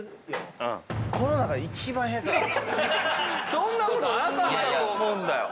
そんなことなかったと思うんだよ。